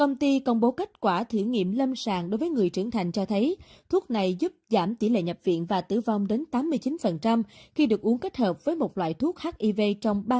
công ty công bố kết quả thử nghiệm lâm sàng đối với người trưởng thành cho thấy thuốc này giúp giảm tỉ lệ nhập viện và tử vong đến tám mươi chín khi được uống kết hợp với một loại thuốc hiv trong ba ngày từ khi biểu hiện triệu chứng covid một mươi chín